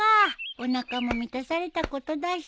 おなかも満たされたことだし。